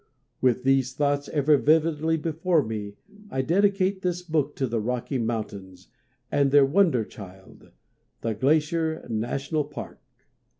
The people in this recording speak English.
With these thoughts ever vividly before me, I dedicate this book to the Rocky Mountains and their "wonder child"—the Glacier National Park.